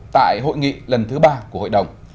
tại hội nghị lần thứ ba của hội đồng